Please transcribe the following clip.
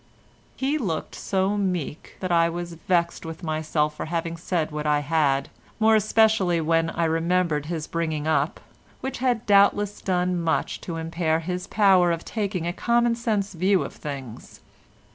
He looked so meek that I was vexed with myself for having said what I had, more especially when I remembered his bringing up, which had doubtless done much to impair his power of taking a common sense view of things.